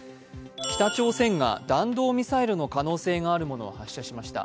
北朝鮮が弾道ミサイルの可能性があるものを発射しました。